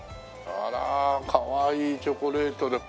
あらかわいいチョコレートで。